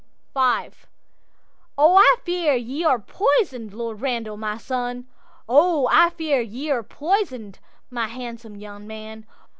'V'O I fear ye are poison'd, Lord Randal, my son!O I fear ye are poison'd, my handsome young man!